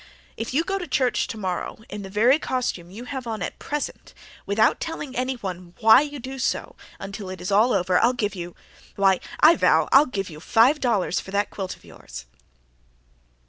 If you go to church tomorrow in the very costume you have on at present, without telling anyone why you do so, until it is all over, I'll give you why, I vow I'll give you five dollars for that quilt of yours."